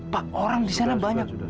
pak orang disana banyak